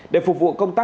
để phục vụ công tác